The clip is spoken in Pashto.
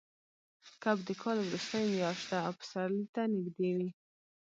کب د کال وروستۍ میاشت ده او پسرلي ته نږدې وي.